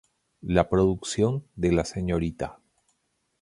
La producción de la srta.